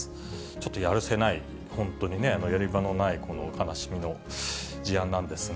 ちょっとやるせない、本当にやり場のない悲しみの事案なんですが。